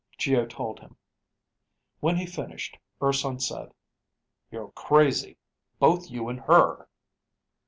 Geo told him. When he finished, Urson said, "You're crazy. Both you and her."